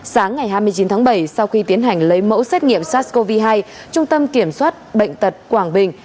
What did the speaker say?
sáng ngày hai mươi chín tháng bảy sau khi tiến hành lấy mẫu xét nghiệm sars cov hai trung tâm kiểm soát bệnh tật quảng bình